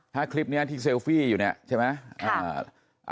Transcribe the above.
ถ้าคลิปนี้ที่เซลฟี่อยู่เนี่ยใช่ไหม